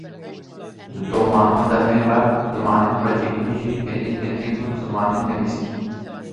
Di domana demê re zimanên xwecihî jî hêdî hêdî bûn zimanên nivîskî.